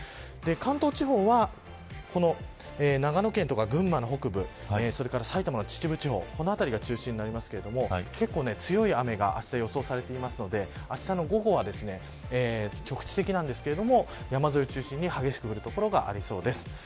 関東地方は長野県や群馬の北部埼玉の秩父地方この辺りが中心になりますが結構、強い雨があした予想されていますのであしたの午後は局地的ですが山沿いを中心に激しく降る所がありそうです。